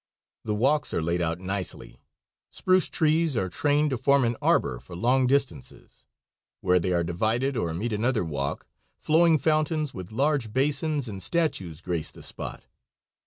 The walks are laid out nicely. Spruce trees are trained to form an arbor for long distances. Where they are divided or meet another walk, flowing fountains with large basins and statues grace the spot.